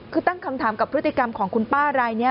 คือตั้งคำถามกับพฤติกรรมของคุณป้ารายนี้